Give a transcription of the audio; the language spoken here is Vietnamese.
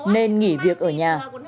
nên nghỉ việc ở nhà